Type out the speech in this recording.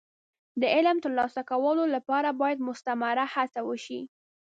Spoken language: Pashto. د علم د ترلاسه کولو لپاره باید مستمره هڅه وشي.